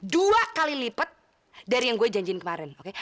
dua kali lipat dari yang gue janjiin kemarin